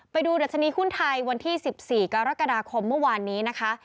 ไปดูดัชนีหุ้นไทยวันที่๑๔กรกฎาคมเมื่อวานนี้นะคะ